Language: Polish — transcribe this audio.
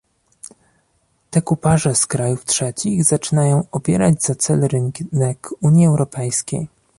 Te kupaże z krajów trzecich zaczynają obierać za cel rynek Unii Europejskiej